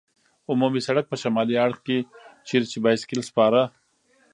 عمومي سړک په شمالي اړخ کې، چېرې چې بایسکل سپاره.